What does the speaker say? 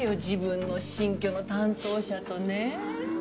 自分の新居の担当者とね。